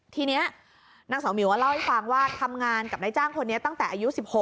ทีนี้นางสาวหมิวเล่าให้ฟังว่าทำงานกับนายจ้างคนนี้ตั้งแต่อายุ๑๖